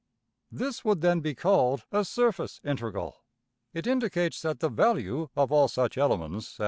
This would then be called a \emph{surface integral}. It indicates that the value of all such \DPPageSep{216.